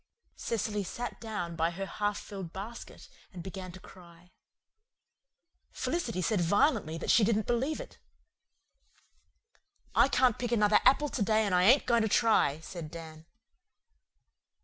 Cecily sat down by her half filled basket and began to cry. Felicity said violently that she didn't believe it. "I can't pick another apple to day and I ain't going to try," said Dan.